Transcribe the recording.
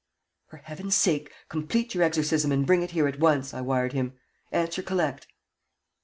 "For Heaven's sake, complete your exorcism and bring it here at once," I wired him. "Answer collect."